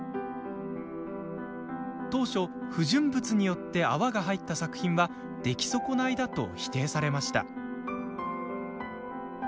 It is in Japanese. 当初、不純物によって泡が入った作品は出来損ないだと否定されました。